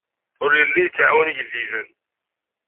Ur yelli yettɛawan igellilen.